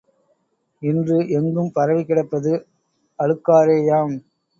இன்று எங்கும் பரவிக் கிடப்பது அழுக்காறேயாம்.